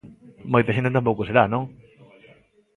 Moita xente tampouco será, non?